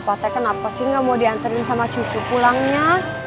papa papa teh kenapa sih nggak mau dianterin sama cucu pulangnya